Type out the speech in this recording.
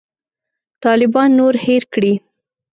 طالبان نور هېر کړي.